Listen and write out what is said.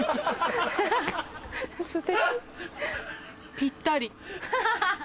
ぴったり。